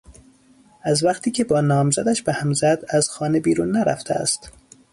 از وقتی که با نامزدش به هم زد از خانه بیرون نرفته است.